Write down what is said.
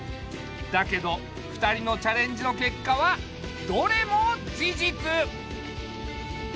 だけど２人のチャレンジのけっかはどれも事実！